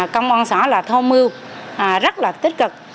công an xã là thôn mưu rất là tích cực